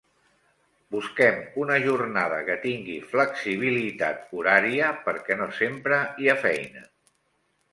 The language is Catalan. Busquem una jornada que tingui flexibilitat horària, perquè no sempre hi ha feina.